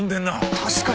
確かに！